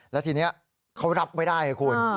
แล้วทีนี้เค้ารับไว้ได้ครับคุณ